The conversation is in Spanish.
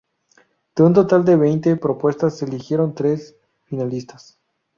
De un total de veinte propuestas, se eligieron tres finalistas.